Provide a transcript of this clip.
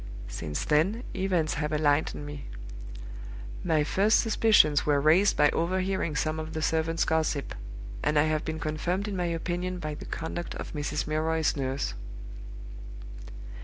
"Since then events have enlightened me. My first suspicions were raised by overhearing some of the servants' gossip; and I have been confirmed in my opinion by the conduct of Mrs. Milroy's nurse.